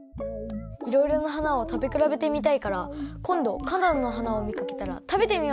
いろいろな花を食べくらべてみたいからこんど花だんの花をみかけたら食べてみます。